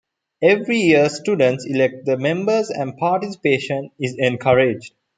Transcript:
Every year students elect the members and participation is encouraged.